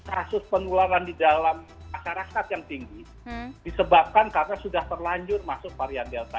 kasus penularan di dalam masyarakat yang tinggi disebabkan karena sudah terlanjur masuk varian delta